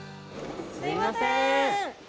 すいません。